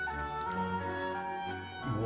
うわ！